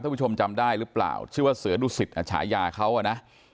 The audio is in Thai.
ผู้ชมจำได้หรือเปล่าชื่อว่าเสือดุสิตฉายาเขาอ่ะนะ